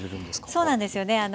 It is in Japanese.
そうなんですよね